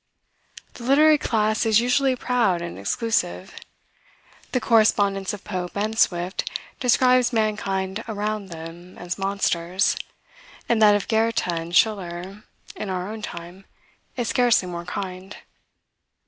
The literary class is usually proud and exclusive. The correspondence of Pope and Swift describes mankind around them as monsters; and that of Goethe and Schiller, in our own time, is scarcely more kind.